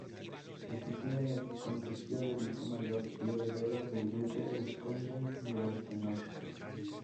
El título de cortesía del hijo mayor y heredero del Duque es "Conde Grosvenor".